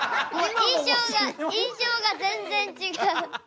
印象が全然違う。